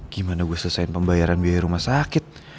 gimana gue selesaiin pembayaran biaya rumah sakit